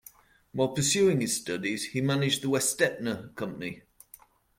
While pursuing his studies, he managed the Westetner Company.